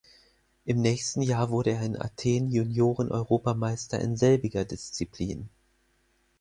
Im nächsten Jahr wurde er in Athen Junioren-Europameister in selbiger Disziplin.